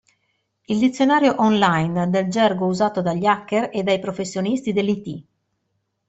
Il dizionario online del gergo usato dagli hacker e dai professionisti dell'IT.